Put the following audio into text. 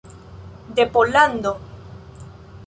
De Pollando.